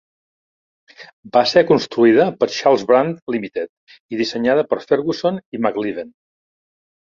Va ser construïda per Charles Brand Ltd i dissenyada per Ferguson i McIlveen.